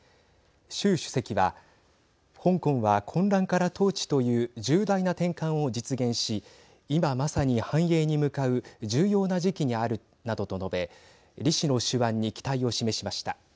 習主席は香港は混乱から統治という重大な転換を実現し今、まさに繁栄に向かう重要な時期にあるなどと述べ李氏の手腕に期待を示しました。